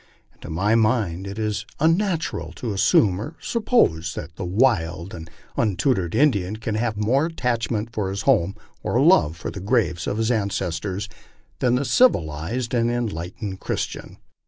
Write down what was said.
And to my mind it is unnatural to assume or suppose that the wild or untutored Indian can have more attachment for his home, or love for the graves of his ancestors, than the civilized and enlightened Christian."